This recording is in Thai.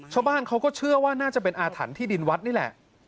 ชาวบ้านเขาก็เชื่อว่าน่าจะเป็นอาถรรพ์ที่ดินวัดนี่แหละ